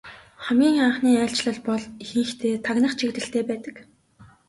Хамгийн анхны айлчлал бол ихэнхдээ тагнах чиглэлтэй байдаг.